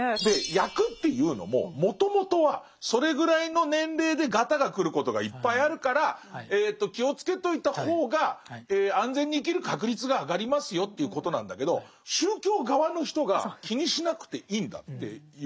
厄っていうのももともとはそれぐらいの年齢でガタがくることがいっぱいあるから気をつけといた方が安全に生きる確率が上がりますよっていうことなんだけど宗教側の人が気にしなくていいんだって言う。